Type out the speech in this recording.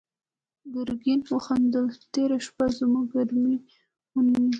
ګرګين وخندل: تېره شپه زموږ ګزمې ونيو.